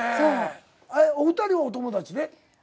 えっお二人はお友達で？